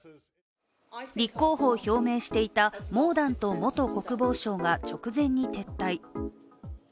立候補を表明していたモーダント元国防相が直前に撤退。